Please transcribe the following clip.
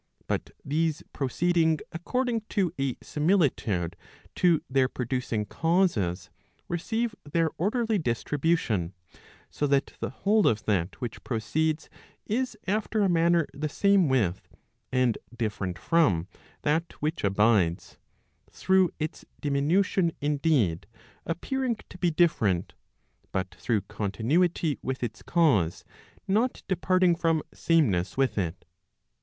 But these proceeding according to a similitude to their producing causes receive their orderly distribution, so that the whole of that which proceeds is after a manner the same with, and different from, that which abides; through its diminution indeed, appearing to be different, but through continuity with its cause, not departing from sameness with it.